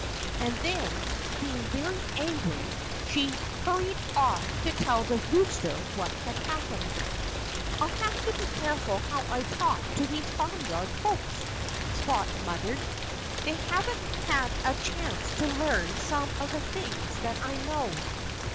And then, being very angry, she hurried off to tell the rooster what had happened. "I'll have to be careful how I talk to these farmyard folks," Spot muttered. "They haven't had a chance to learn some of the things that I know.